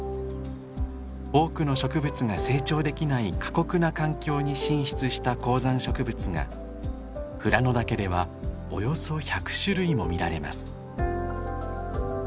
多くの植物が成長できない過酷な環境に進出した高山植物が富良野岳ではおよそ１００種類も見られます。